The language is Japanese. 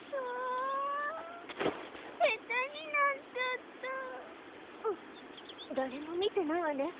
あっだれも見てないわね。